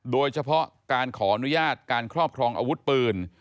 โดยเฉพาะการขออนุญาตการครอบครองอาวุธปืน